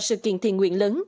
sự kiện thiền nguyện lớn